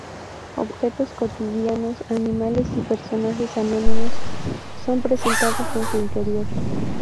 Objetos cotidianos, animales y personajes anónimos son presentados en su interior.